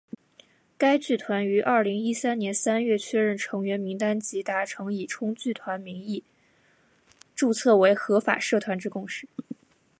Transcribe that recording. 该剧团于二零一三年三月确认成员名单及达成以冲剧团名义注册为合法社团之共识。